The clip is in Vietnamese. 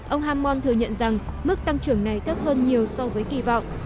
ông hammon thừa nhận rằng mức tăng trưởng này thấp hơn nhiều so với kỳ vọng